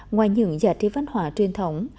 ngoài những giả trí văn hóa truyền thống